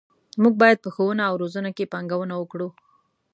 موږ باید په ښوونه او روزنه کې پانګونه وکړو.